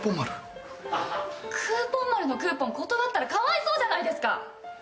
クーポンまるのクーポン断ったらかわいそうじゃないですか！